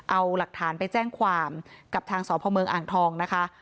เอาหลักฐานไปแจ้งความกับทางสพเมืองอ่างทองนะคะ